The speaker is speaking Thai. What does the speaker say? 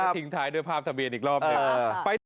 แล้วก็ทิ้งท้ายด้วยภาพทะเบียนอีกรอบด้วย